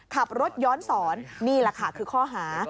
ขับรถย้อนสอนนี่แหละค่ะคือข้อหา